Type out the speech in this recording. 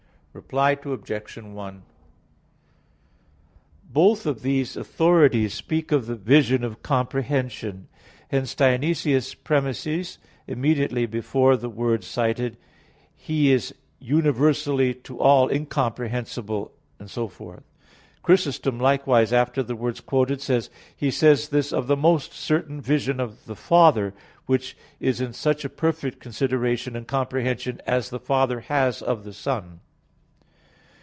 Reply Obj. 1: Both of these authorities speak of the vision of comprehension. Hence Dionysius premises immediately before the words cited, "He is universally to all incomprehensible," etc. Chrysostom likewise after the words quoted says: "He says this of the most certain vision of the Father, which is such a perfect consideration and comprehension as the Father has of the Son."